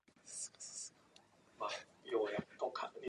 Cline Glacier drains eastern Mount Jackson before arriving at Odom Inlet.